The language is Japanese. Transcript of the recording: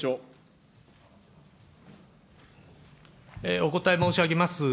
お答え申し上げます。